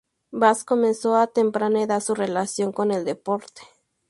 Bas comenzó a temprana edad su relación con el deporte.